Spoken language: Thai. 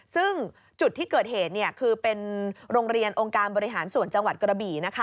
ซึ่งจุดที่เกิดเหตุคือเป็นโรงเรียนองค์การบริหารส่วนจังหวัดกระบี่